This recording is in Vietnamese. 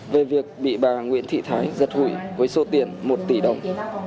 về việc bị bà nguyễn thị thái giật hụi với số tiền một tỷ đồng